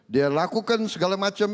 dia lakukan segala macam